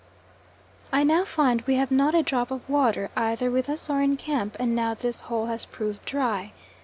I now find we have not a drop of water, either with us or in camp, and now this hole has proved dry.